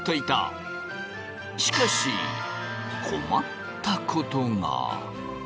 しかし困ったことが。